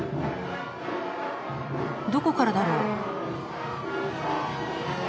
・どこからだろう？